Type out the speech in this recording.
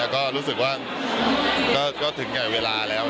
ก็รู้สึกว่าก็ถึงแก่เวลาแล้ว